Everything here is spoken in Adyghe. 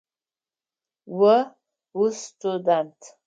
О устудэнт.